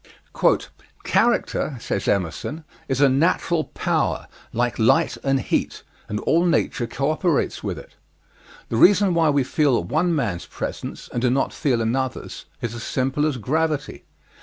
"Character," says Emerson, "is a natural power, like light and heat, and all nature cooperates with it. The reason why we feel one man's presence, and do not feel another's is as simple as gravity.